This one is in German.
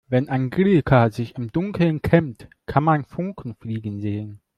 Wenn Angelika sich im Dunkeln kämmt, kann man Funken fliegen sehen.